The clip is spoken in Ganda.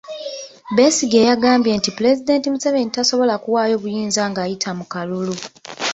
Besigye yagambye nti Pulezidenti Museveni tasobola kuwaayo buyinza ng'ayita mu kalulu.